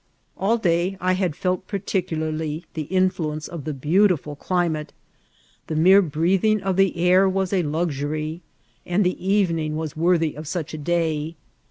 All day I had felt particularly the influence of the beautiful climate ; the mere breathing of the air was a luxury, and the evening was worthy of such a day.